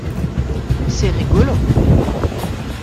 C’est rigolo.